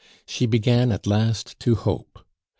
She began at last to hope.